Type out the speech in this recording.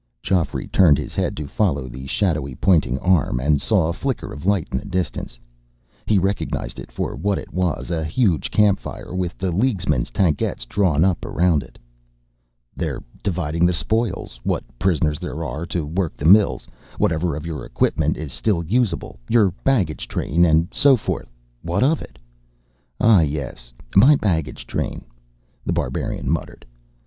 Geoffrey turned his head to follow the shadowy pointing arm, and saw a flicker of light in the distance. He recognized it for what it was; a huge campfire, with the Leaguesmen's tankettes drawn up around it. "They're dividing the spoils what prisoners there are, to work the mills; whatever of your equipment is still usable; your baggage train. And so forth. What of it?" "Ah, yes, my baggage train," The Barbarian muttered.